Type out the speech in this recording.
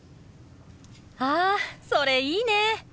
あそれいいね！